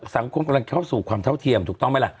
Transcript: กำลังเข้าสู่ความเท่าเทียมถูกต้องไหมล่ะ